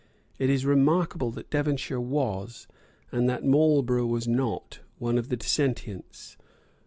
It is remarkable that Devonshire was, and that Marlborough was not, one of the Dissentients.